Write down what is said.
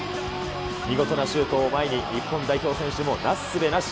見事なシュートを前に、日本代表選手もなすすべなし。